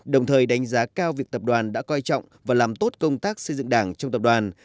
đồng thời đánh giá cao việc tập đoàn đã coi trọng và làm tốt công tác xây dựng đảng trong tập đoàn